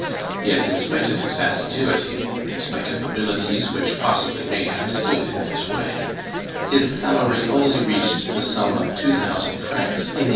Yet, in spite of his assiduity, in spite of abilities which possibly may have stood in his way, his salary only reached the sum of two thousand francs in 1843.